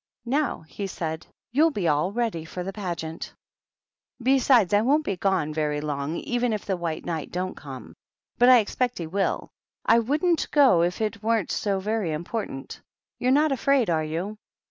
Now,'' he said, *^ you'll be all ready for t] THE PAGEANT. Pageant ; besides, I won't be gone very long t if tbe White Knight don't come; but I expect he will. I wouldn't go if it weren't so very im portant. You're not afraid, are vo'i